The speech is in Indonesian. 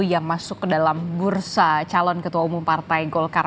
yang masuk ke dalam bursa calon ketua umum partai golkar